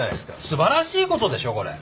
素晴らしいことでしょうこれ？